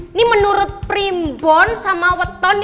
ini menurut primbon sama weton